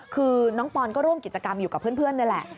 คือน้องปอนก็ร่วมกิจกรรมอยู่กับเพื่อนนี่แหละ